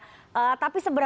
tapi seberapa besar sebetulnya